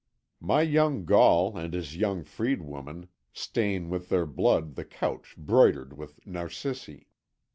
My young Gaul and his young freed woman stain with their blood the couch broidered with narcissi.